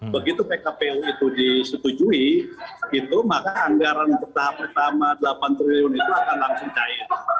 begitu pkpu itu disetujui maka anggaran tahap pertama delapan triliun itu akan langsung cair